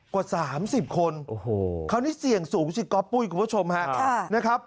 กว่า๓๐คนคราวนี้เสี่ยงสูงสิก๊อปปุ้ยคุณผู้ชมฮะนะครับ